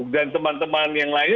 dan teman teman yang lainnya